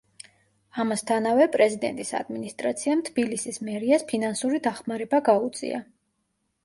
ამასთანავე, პრეზიდენტის ადმინისტრაციამ თბილისის მერიას ფინანსური დახმარება გაუწია.